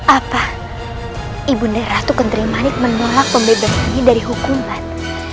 apa ibu neratu kenterimanik menolak pembebasan ini dari hukuman